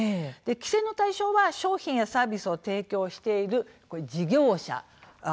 規制の対象は商品やサービスを提供している事業者でですね